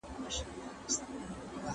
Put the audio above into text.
¬ درياب که لوى دئ، چمچۍ دي خپله ده.